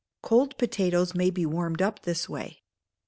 Cold potatoes may be warmed up this way.